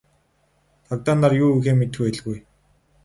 Цагдаа нар юу хийхээ мэдэх байлгүй.